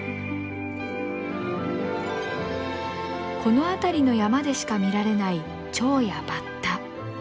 この辺りの山でしか見られないチョウやバッタ。